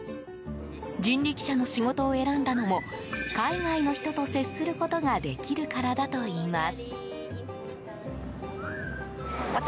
人力車の仕事を選んだのも海外の人と接することができるからだといいます。